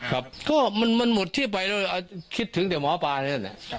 ก็มันหมดที่ไปเลยคิดถึงแต่หมอปาเนี่ยนะ